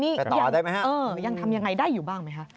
ต่อได้ไหมครับอย่างนี้ยังทำอย่างไรได้อยู่บ้างไหมครับ